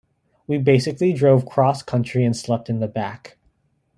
We basically drove cross-country and slept in the back.